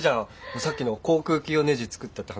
さっきの航空機用ねじ作ったって話。